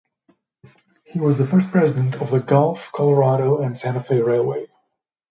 He was the first president of the Gulf, Colorado and Santa Fe Railway.